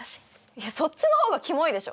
いやそっちの方がキモいでしょ！